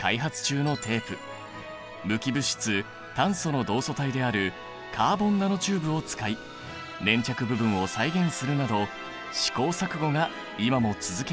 無機物質炭素の同素体であるカーボンナノチューブを使い粘着部分を再現するなど試行錯誤が今も続けられているんだ。